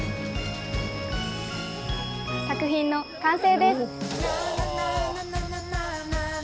作品の完成です。